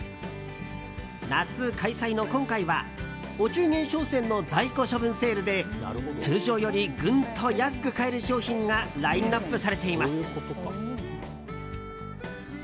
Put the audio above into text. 夏開催の今回はお中元商戦の在庫処分セールで通常よりぐんと安く買える商品がラインアップされています。